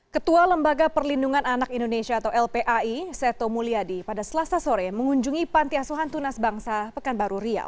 ketua lembaga perlindungan anak indonesia atau lpai seto mulyadi pada selasa sore mengunjungi panti asuhan tunas bangsa pekanbaru riau